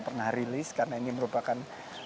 pernah rilis karena ini merupakan